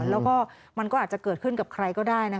แล้วก็มันก็อาจจะเกิดขึ้นกับใครก็ได้